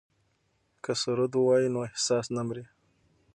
که سرود ووایو نو احساس نه مري.